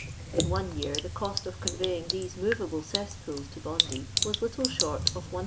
In one year the cost of conveying these movable cesspools to Bondy was little short of 1500